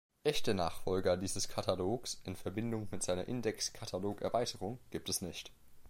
Echte Nachfolger dieses Katalogs in Verbindung mit seiner Index-Katalog-Erweiterung gibt es nicht.